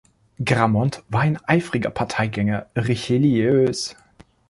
Gramont war ein eifriger Parteigänger Richelieus.